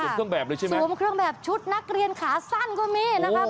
เครื่องแบบเลยใช่ไหมสวมเครื่องแบบชุดนักเรียนขาสั้นก็มีนะครับ